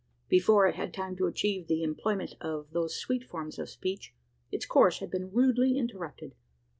Before it had time to achieve the employment of those sweet forms of speech, its course had been rudely interrupted.